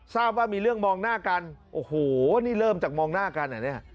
ทราบว่ามีเรื่องมองหน้ากันโอ้โหนี่เริ่มจากมองหน้ากันอ่ะเนี่ย